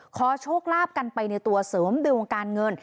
ขอโชคลาภกันไปในตัวเสริมดวงการเงิน